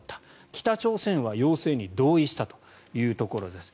北朝鮮は要請に同意したというところです。